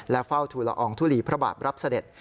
และเฝ้าธุระองธุลีพระบาทรับเสด็จ